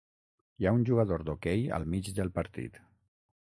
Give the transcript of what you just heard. Hi ha un jugador d'hoquei al mig del partit.